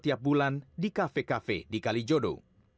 setiap bulan di kafe kafe di kali jodo